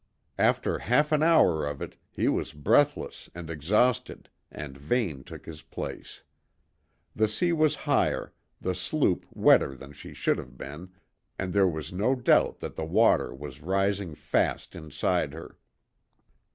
After half an hour of it, he was breathless and exhausted, and Vane took his place. The sea was higher, the sloop wetter than she had been, and there was no doubt that the water was rising fast inside her.